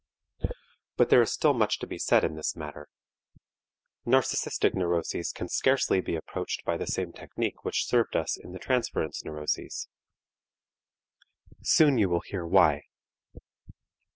But there is still much to be said in this matter. Narcistic neuroses can scarcely be approached by the same technique which served us in the transference neuroses. Soon you will hear why.